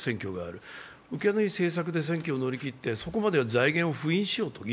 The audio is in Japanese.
受けのいい政策で選挙を乗り切って、そこまでは財源の議論を先延ばししようと。